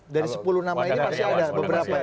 dari sepuluh nama ini masih ada beberapa